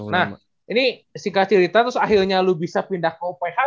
nah ini singkat cerita terus akhirnya lu bisa pindah ke oph